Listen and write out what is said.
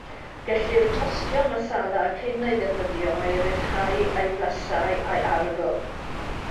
Gellir tostio Masala cyn ei ddefnyddio i ryddhau ei flasau a'i arogl.